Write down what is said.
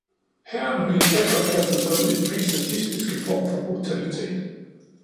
Hæren og militæret kastede sig ud i den mest sadistiske form for brutalitet.